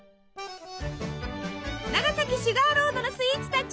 長崎シュガーロードのスイーツたち！